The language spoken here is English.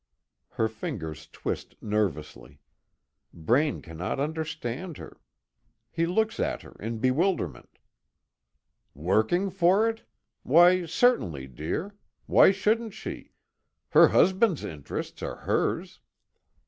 Her fingers twist nervously. Braine cannot understand her. He looks at her in bewilderment: "Working for it? Why certainly, dear. Why shouldn't she her husband's interests are hers.